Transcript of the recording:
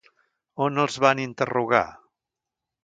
On els van interrogar?